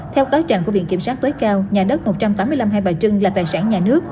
theo cáo trạng của viện kiểm sát tối cao nhà đất một trăm tám mươi năm hai bà trưng là tài sản nhà nước